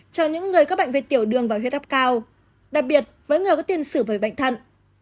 cho những người các bệnh về tiểu đường và huyết áp cao đặc biệt với người có tiền sử về bệnh thận